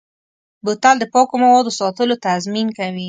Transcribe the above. بوتل د پاکو موادو ساتلو تضمین کوي.